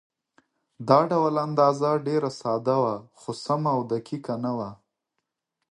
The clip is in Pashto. دا ډول اندازه ډېره ساده وه، خو سمه او دقیقه نه وه.